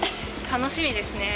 楽しみですね。